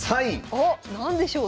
おっ何でしょう？